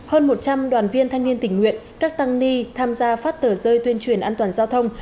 hơn một trăm linh đoàn viên thanh niên tình nguyện các tăng ni tham gia phát tờ rơi tuyên truyền an toàn giao thông